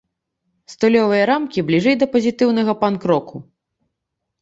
Стылёвыя рамкі бліжэй да пазітыўнага панк-року.